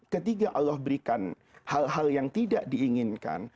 ketika allah berikan hal hal yang tidak diinginkan